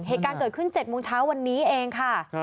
เหตุการณ์เกิดขึ้น๗โมงเช้าวันนี้เองค่ะ